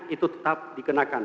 itu tetap dikenakan